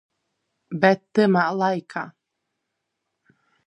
Bet tymā laikā.